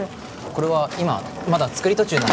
これは今まだ作り途中なんで